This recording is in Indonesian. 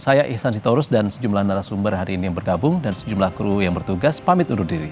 saya ihsan sitorus dan sejumlah narasumber hari ini yang bergabung dan sejumlah kru yang bertugas pamit undur diri